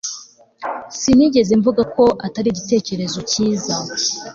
Sinigeze mvuga ko atari igitekerezo cyiza